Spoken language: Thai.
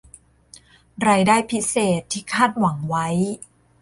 รายได้พิเศษที่คาดหวังไว้